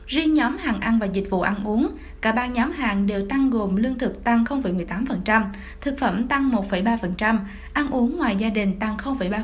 riêng nhóm hàng ăn và dịch vụ ăn uống cả ba nhóm hàng đều tăng gồm lương thực tăng một mươi tám thực phẩm tăng một ba ăn uống ngoài gia đình tăng ba mươi